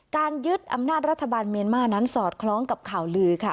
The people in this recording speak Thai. ยึดอำนาจรัฐบาลเมียนมาร์นั้นสอดคล้องกับข่าวลือค่ะ